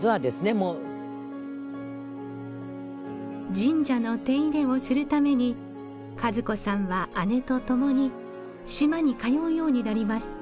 神社の手入れをするために和子さんは姉とともに島に通うようになります。